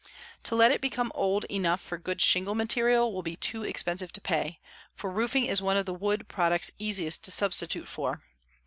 To let it become old enough for good shingle material will be too expensive to pay, for roofing is one of the wood products easiest to substitute for.